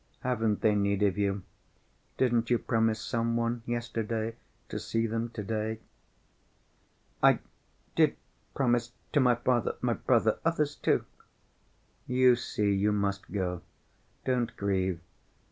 "Haven't they need of you? Didn't you promise some one yesterday to see them to‐day?" "I did promise—to my father—my brothers—others too." "You see, you must go. Don't grieve.